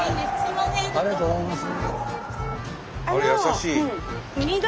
ありがとうございます。